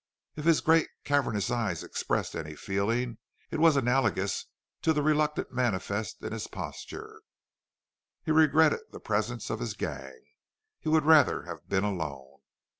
If his great cavernous eyes expressed any feeling it was analogous to the reluctance manifest in his posture he regretted the presence of his gang. He would rather have been alone.